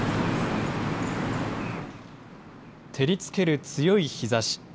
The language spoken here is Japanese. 照りつける強い日ざし。